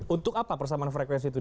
untuk apa persamaan frekuensi itu